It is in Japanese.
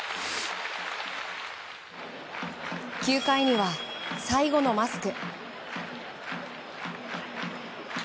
９回には最後のマスク。